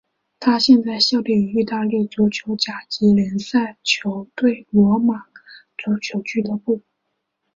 他现在效力于意大利足球甲级联赛球队罗马足球俱乐部。